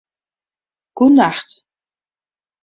Goenacht